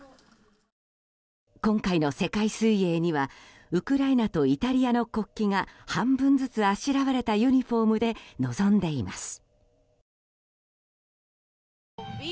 今回の世界水泳にはウクライナとイタリアの国旗が半分ずつあしらわれたユニホームで臨んでいます。